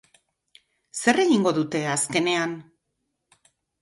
Zer egingo dute azkenean?